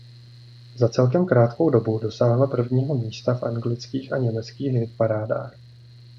Za celkem krátkou dobu dosáhla prvního místa v anglických a německých hitparádách.